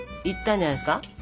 いったんじゃないですか？